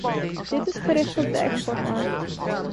Dit is gericht op de exportmarkt.